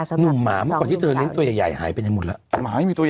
สำหรับหนูหมาก่อนที่เธอเล็งตัวใหญ่ใหญ่หายไปกันหมดแล้วหมาไม่มีตัวใหญ่